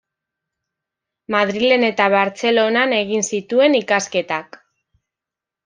Madrilen eta Bartzelonan egin zituen ikasketak.